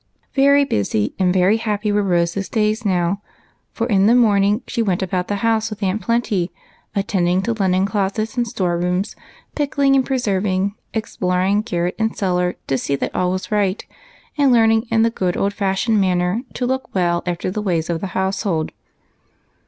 Very busy and very happy were Rose's days now, for in the morninsr she went about the house with BREAD AND BUTTON HOLES. 189 Aunt Plenty attending to linen closets and store rooms, pickling and preserving, exploring garret and cellar to see that all was right, and learning, in the good old fashioned manner, to look well after the ways of the household.